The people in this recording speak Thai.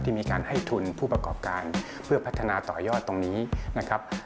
มีการให้ทุนผู้ประกอบการเพื่อพัฒนาต่อยอดตรงนี้นะครับ